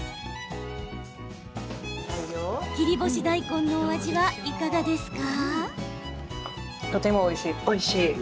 切り干し大根のお味はいかがですか？